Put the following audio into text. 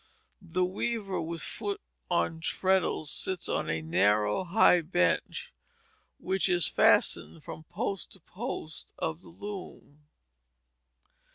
The weaver, with foot on treadle, sits on a narrow, high bench, which is fastened from post to post of the loom.